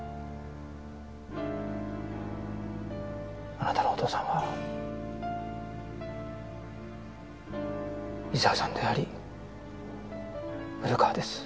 あなたのお父さんは伊沢さんであり古川です。